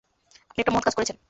আপনি একটা মহৎ কাজ করেছেন।